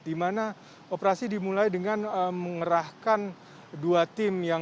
di mana operasi dimulai dengan mengerahkan dua tim